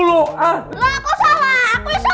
lah kok salah kok salah om ian lah